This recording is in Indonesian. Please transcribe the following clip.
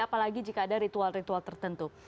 apalagi jika ada ritual ritual tertentu